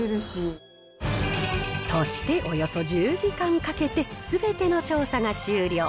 そしておよそ１０時間かけて、すべての調査が終了。